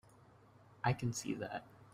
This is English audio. I can see that.